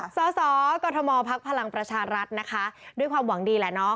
สสกมพักพลังประชารัฐนะคะด้วยความหวังดีแหละเนาะ